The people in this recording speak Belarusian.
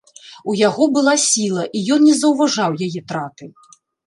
У яго была сіла, і ён не заўважаў яе траты.